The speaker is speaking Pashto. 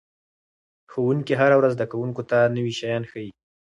ښوونکي هره ورځ زده کوونکو ته نوي شیان ښيي.